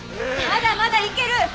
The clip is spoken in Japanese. まだまだいける！